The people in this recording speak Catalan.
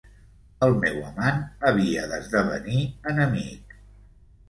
El meu amant havia d'esdevenir enemic.